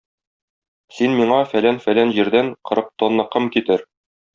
Син миңа фәлән-фәлән җирдән кырык тонна ком китер.